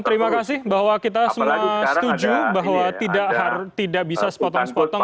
terima kasih bahwa kita semua setuju bahwa tidak bisa sepotong sepotong